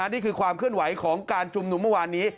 นี่คือความเคลื่อนไหวของการชุมนุมเมื่อวานนี้